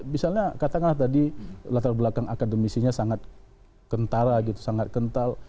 misalnya katakanlah tadi latar belakang akademisinya sangat kentara gitu sangat kental